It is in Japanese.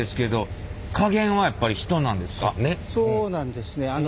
そうなんですね。